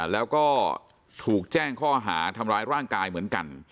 แล้วก็ถูกแจ้งข้อหาทำร้ายร่างกายเหมือนกัน